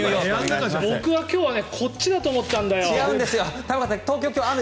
僕は今日はこっちだと思ったんだよ。